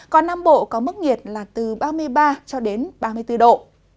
còn nam bộ có mức nhiệt là từ ba mươi ba ba mươi bốn độ